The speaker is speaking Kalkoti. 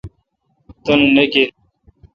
اتن نہ گیہ۔